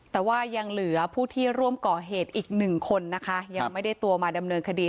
แต่ว่ายังเหลือผู้ที่ร่วมก่อเหตุอีกหนึ่งคนนะคะยังไม่ได้ตัวมาดำเนินคดี